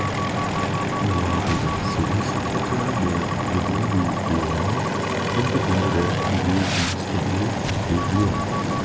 Er war Redaktionssekretär der "Revue du Lyonnais" und Begründer der "Revue d’histoire de Lyon".